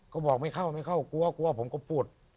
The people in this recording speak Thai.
ก็บอกไม่เข้าไม่เข้ากลัวกลัวผมก็ปวด